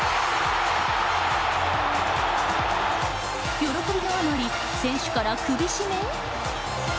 喜びのあまり、選手から首絞め？